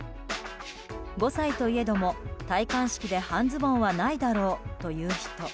５歳といえども、戴冠式で半ズボンはないだろうという人。